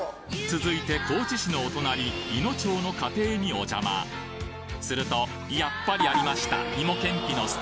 続いて高知市のお隣・いの町の家庭にお邪魔するとやっぱりありました！